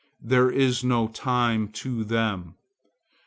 There is no time to them.